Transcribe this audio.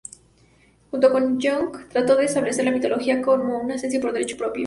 Junto con Jung, trató de establecer la mitología como una ciencia por derecho propio.